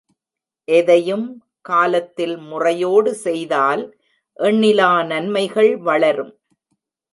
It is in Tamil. எதையும் காலத்தில் முறையோடு செய்தால் எண்ணிலா நன்மைகள் வளரும்.